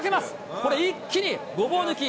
これ、一気にごぼう抜き。